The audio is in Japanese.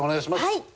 はい。